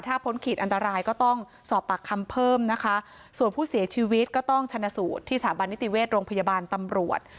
ถ้าพ้นขีดอันตรายก็ต้องสอบปากคำเพิ่มนะคะส่วนผู้เสียชีวิตก็ต้องชนะสูตรที่สถาบันนิติเวชโรงพยาบาลตำรวจ